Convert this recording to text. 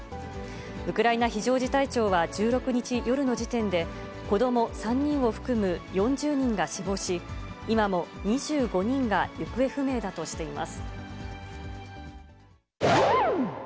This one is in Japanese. ウクライナ非常事態庁は１６日夜の時点で、子ども３人を含む４０人が死亡し、今も２５人が行方不明だとしています。